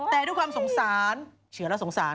แต่ด้วยความสงสารเฉือนและสงสาร